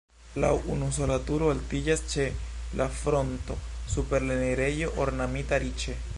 La unusola turo altiĝas ĉe la fronto super la enirejo ornamita riĉe.